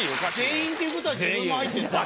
全員っていうことは自分も入ってるじゃない。